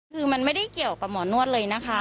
คือมันไม่ได้เกี่ยวกับหมอนวดเลยนะคะ